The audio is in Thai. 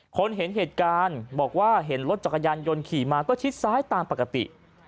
คนเห็นเหตุการณ์บอกว่าเห็นรถจักรยานยนต์ขี่มาก็ชิดซ้ายตามปกติ